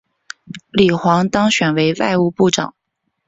李璜当选为外务部长。